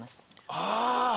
ああ。